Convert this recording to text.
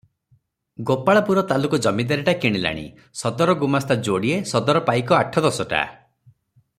ଗୋପାଳପୁର ତାଲୁକ ଜମିଦାରୀଟା କିଣିଲାଣି, ସଦର ଗୁମାସ୍ତା ଯୋଡିଏ, ସଦର ପାଇକ ଆଠ ଦଶଟା ।